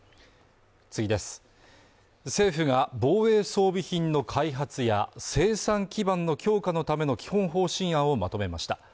政府が防衛装備品の開発や生産基盤の強化のための基本方針案をまとめました。